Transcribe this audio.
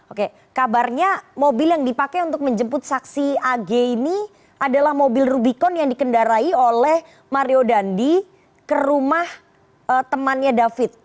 oke kabarnya mobil yang dipakai untuk menjemput saksi ag ini adalah mobil rubicon yang dikendarai oleh mario dandi ke rumah temannya david